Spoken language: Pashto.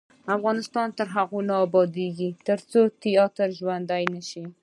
افغانستان تر هغو نه ابادیږي، ترڅو تیاتر ژوندی نشي.